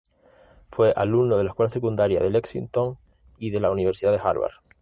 Fue alumno de la Escuela Secundaria de Lexington y de la Universidad Harvard.